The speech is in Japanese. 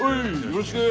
よろしく！